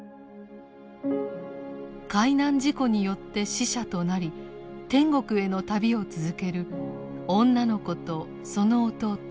海難事故によって死者となり天国への旅を続ける女の子とその弟